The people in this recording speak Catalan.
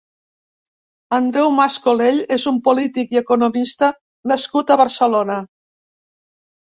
Andreu Mas-Colell és un polític i econimista nascut a Barcelona.